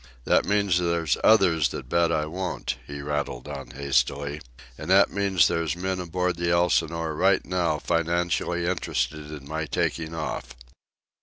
"That means there's others that bet I won't," he rattled on hastily. "An' that means that there's men aboard the Elsinore right now financially interested in my taking off."